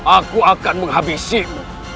aku akan menghabisimu